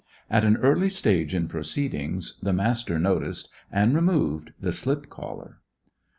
At an early stage in proceedings the Master noticed, and removed, the slip collar.